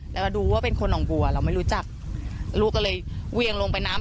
แล้วก็ดูว่าเป็นคนหนองบัวเราไม่รู้จักลูกก็เลยเวียงลงไปน้ำ